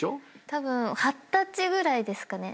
たぶん二十歳ぐらいですかね。